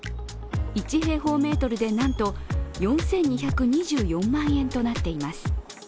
１平方メートルでなんと４２２４万円となっています。